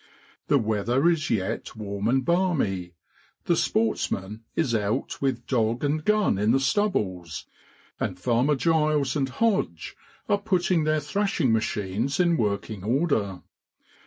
The weather is yet warm and balmy, the sportsman is out with dog and gun in the stubbles, and Farmer Griles and Hodge are putting their thrashing machines in working order.